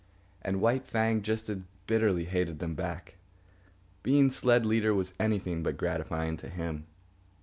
And White Fang just as bitterly hated them back. Being sled leader was anything but gratifying to him.